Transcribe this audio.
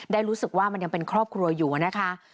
รู้สึกว่ามันยังเป็นครอบครัวอยู่นะคะ